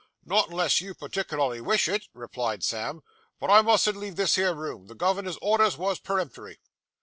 'Not unless you particklerly wish it,' replied Sam; 'but I mustn't leave this here room. The governor's orders wos peremptory.